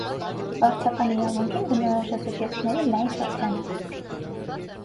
Վարչական իրավունքին բնորոշ է սուբյեկտների լայն շրջանակ։